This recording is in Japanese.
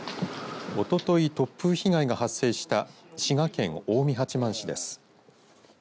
おととい、突風被害が発生した滋賀県近江八幡市です。